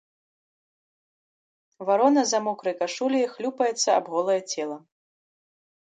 Варона за мокрай кашуляй хлюпаецца аб голае цела.